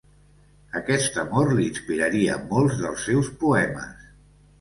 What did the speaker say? Aquest amor li inspiraria molts dels seus poemes.